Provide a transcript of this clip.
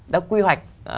đã quy hoạch